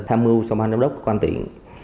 tham mưu xong hành động đốc quan tỉnh